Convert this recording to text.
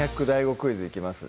クイズいきますね